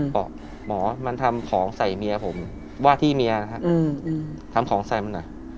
บอกหมอมันทำของใส่เมียผมว่าที่เมียนะฮะทำของใส่มันหน่อย